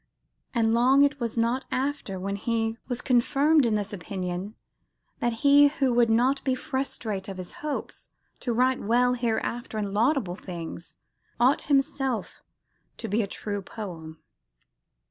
"And long it was not after" when he "was confirmed in this opinion, that he who would not be frustrate of his hope to write well hereafter in laudable things, ought himself to be a true poem."